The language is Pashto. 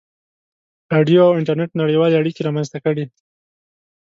• راډیو او انټرنېټ نړیوالې اړیکې رامنځته کړې.